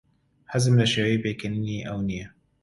حەزم لە شێوەی پێکەنینی ئەو نییە.